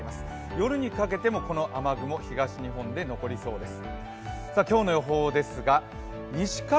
夜にかけてもこの雨雲、東日本で残りそうです。